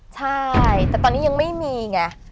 ใช่แต่ตอนนี้ยังไม่มีไง